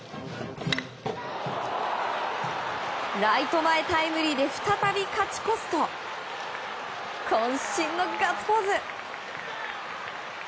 ライト前タイムリーで再び勝ち越すと渾身のガッツポーズ。